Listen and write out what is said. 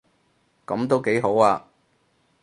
噉都幾好吖